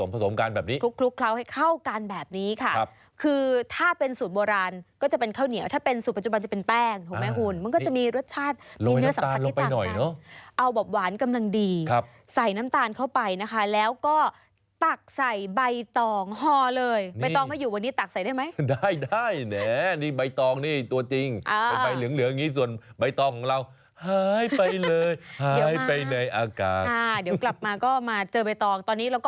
ผสมกันแบบนี้คลุกเคลาให้เข้ากันแบบนี้ค่ะคือถ้าเป็นสูตรโบราณก็จะเป็นข้าวเหนียวถ้าเป็นสูตรปัจจุบันจะเป็นแป้งถูกไหมหุ่นมันก็จะมีรสชาติมีเนื้อสัมผัสที่ต่างกันเอาบับหวานกำลังดีใส่น้ำตาลเข้าไปนะคะแล้วก็ตักใส่ใบตองฮอเลยใบตองมาอยู่บนนี้ตักใส่ได้ไหมได้เนี่ยใบตองนี่ตัวจร